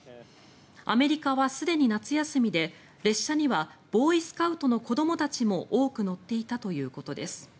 アメリカは、すでに夏休みで列車にはボーイスカウトの子どもたちも多く乗っていたということです。